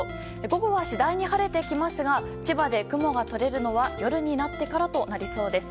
午後は次第に晴れてきますが千葉で雲が取れるのは夜になってからとなりそうです。